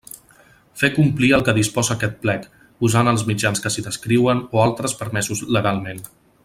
Fer complir el que disposa aquest Plec, usant els mitjans que s'hi descriuen o altres permesos legalment.